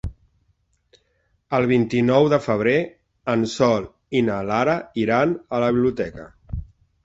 El vint-i-nou de febrer en Sol i na Lara iran a la biblioteca.